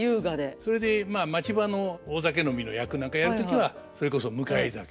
それで町場の大酒飲みの役なんかやる時はそれこそ迎え酒。